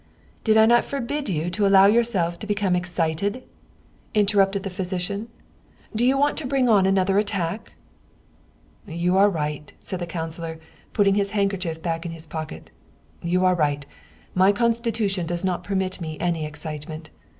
"" Did I not forbid you to allow yourself to become ex 87 German Mystery Stories cited?" interrupted the physician; "do you want to bring on another attack?" " You are right," said the councilor, putting his hand kerchief back in his pocket, " you are right my constitu tion does not permit me any excitement.